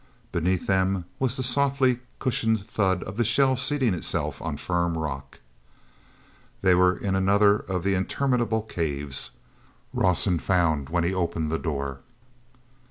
Beneath them was the softly cushioned thud of the shell seating itself on firm rock. hey were in another of the interminable caves, Rawson found when he opened the door.